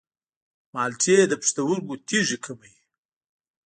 مالټې د پښتورګو تیږې کموي.